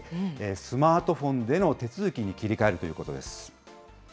スマートフォンでの手続きに切り替えるということです。